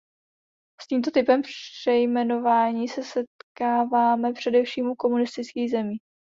S tímto typem přejmenování se setkáváme především u komunistických zemí.